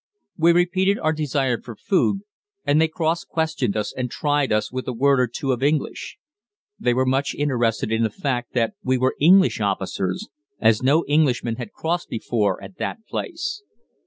We repeated our desire for food, and they cross questioned us and tried us with a word or two of English. They were much interested in the fact that we were English officers, as no Englishmen had crossed before at that place.